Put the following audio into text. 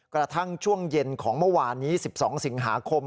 กระทั่งช่วงเย็นของเมื่อวานนี้๑๒สิงหาคม